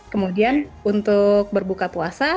kemudian untuk berbuka puasa